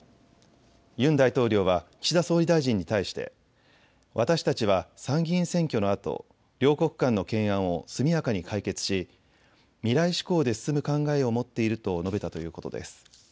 ユン大統領は岸田総理大臣に対して私たちは参議院選挙のあと両国間の懸案を速やかに解決し未来志向で進む考えを持っていると述べたということです。